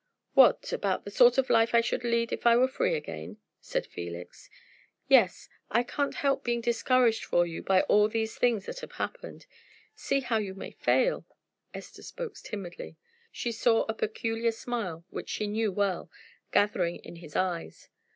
"What about the sort of life I should lead if I were free again?" said Felix. "Yes. I can't help being discouraged for you by all these things that have happened. See how you may fail!" Esther spoke timidly. She saw a peculiar smile, which she knew well, gathering in his eyes.